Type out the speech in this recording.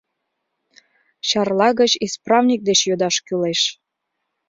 Чарла гыч исправник деч йодаш кӱлеш.